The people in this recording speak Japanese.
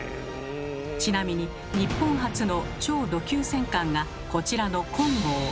ちなみに日本初の超弩級戦艦がこちらの「金剛」。